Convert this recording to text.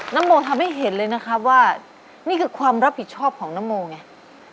โมทำให้เห็นเลยนะครับว่านี่คือความรับผิดชอบของนโมไง